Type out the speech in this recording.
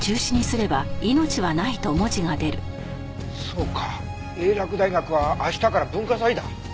そうか英洛大学は明日から文化祭だ。